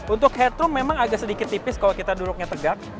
untuk headroom memang agak sedikit tipis kalau kita duduknya tegak